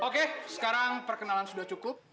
oke sekarang perkenalan sudah cukup